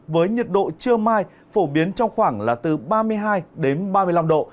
với nhiệt độ trưa mai phổ biến trong khoảng là từ ba mươi hai đến ba mươi năm độ